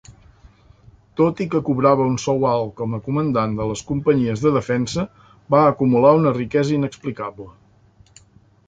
Tot i que cobrava un sou alta com a comandant de les Companyies de Defensa, va acumular una riquesa inexplicable.